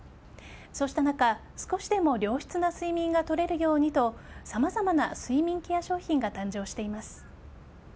そうした中少しでも良質な睡眠が取れるようにと様々な睡眠ケア商品が誕生しています。